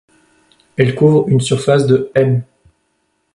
Elle couvre une surface de m.